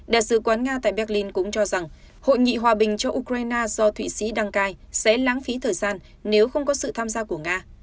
đại sứ quán nga tại berlin cũng cho rằng hội nghị hòa bình cho ukraine do thụy sĩ đăng cai sẽ lãng phí thời gian nếu không có sự tham gia của nga